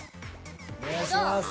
お願いします。